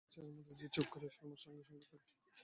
একটি মলিন ছায়ার মতো যে চুপ করিয়া সুরমার সঙ্গে সঙ্গে ফেরে।